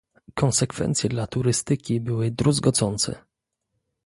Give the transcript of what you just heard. Konsekwencje dla turystyki były druzgocące